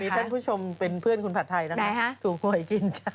แล้วก็เป็นรุ่นคุณป้าคุณยายคุณหนัก